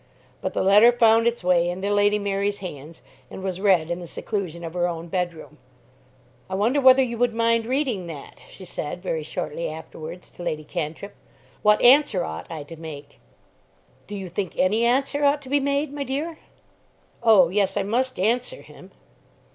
But the letter found its way into Lady Mary's hands and was read in the seclusion of her own bed room. "I wonder whether you would mind reading that," she said very shortly afterwards to Lady Cantrip. "What answer ought I to make?" "Do you think any answer ought to be made, my dear?" "Oh yes; I must answer him."